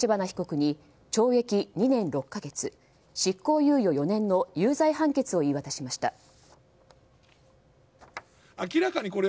被告に懲役２年６か月執行猶予４年の有罪判決を言い渡しました。